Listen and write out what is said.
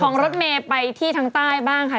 ของรถเมย์ไปที่ทางใต้บ้างค่ะ